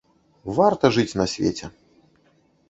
Варта жыць на свеце!